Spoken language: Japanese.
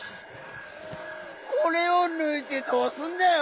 「これ」をぬいてどうすんだよ